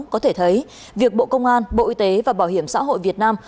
có thể thấy việc bộ công an bộ y tế và bảo hiểm xã hội việt nam